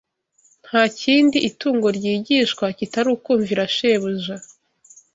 Nta kindi itungo ryigishwa kitari ukumvira shebuja